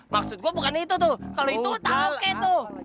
maksud gue bukan itu tuh kalau itu tau oke tuh